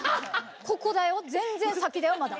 ここだよ。